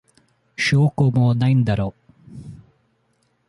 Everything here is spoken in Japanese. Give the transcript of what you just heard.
証拠もないんだろ。